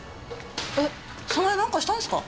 えっ早苗なんかしたんですか？